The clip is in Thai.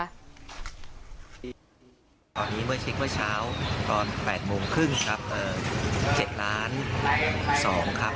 วันนี้เมื่อเช็คว่าเช้าตอน๘โมงครึ่งครับเอ่อ๗๒๐๐๐๐ครับ